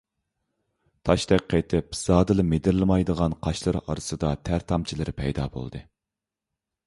تاشتەك قېتىپ زادىلا مىدىرلىمايدىغان قاشلىرى ئارىسىدا تەر تامچىلىرى پەيدا بولدى.